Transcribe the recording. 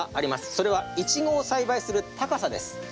それはイチゴを栽培する高さです。